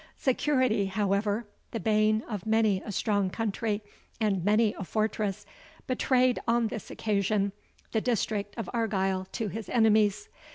Security, however, the bane of many a strong country and many a fortress, betrayed, on this occasion, the district of Argyle to his enemies.